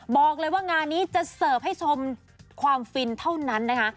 บอกเลยว่างานนี้จะเสิร์ฟให้ชมความฟินเท่านั้นนะคะ